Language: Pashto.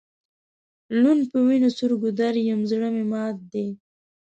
لوند په وینو سور ګودر یم زړه مي مات دی